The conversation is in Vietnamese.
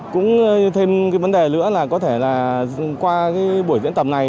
cũng thêm cái vấn đề nữa là có thể là qua cái buổi diễn tập này